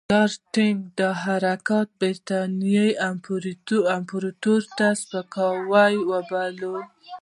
لارډ لیټن دا حرکت برټانیې امپراطوري ته سپکاوی وباله.